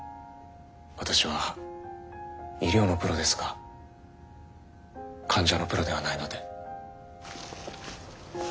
私は医療のプロですが患者のプロではないので。